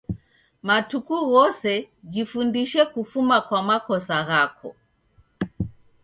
Matuku ghose jifundishe kufuma kwa makosa ghako